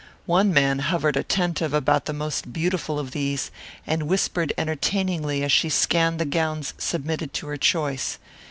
One man hovered attentive about the most beautiful of these, and whispered entertainingly as she scanned the gowns submitted to her choice.